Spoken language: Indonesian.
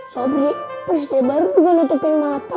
sobri berisik dia baru juga nutupin mata